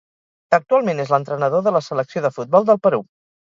Actualment és l'entrenador de la Selecció de futbol del Perú.